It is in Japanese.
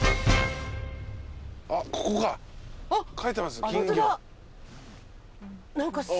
あっここか。